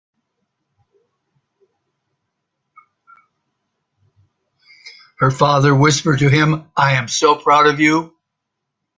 Her father whispered to him, "I am so proud of you!"